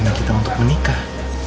rencana kita untuk menikah